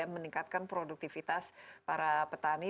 meningkatkan produktivitas para petani